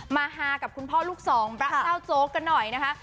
ฮากับคุณพ่อลูกสองพระเจ้าโจ๊กกันหน่อยนะคะ